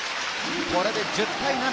これで１０対７。